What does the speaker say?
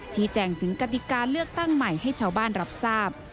ชี้แจงถึงกติกาเลือกตั้งใหม่ให้ชาวบ้านรับทราบ